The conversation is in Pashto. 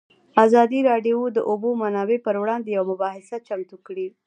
ازادي راډیو د د اوبو منابع پر وړاندې یوه مباحثه چمتو کړې.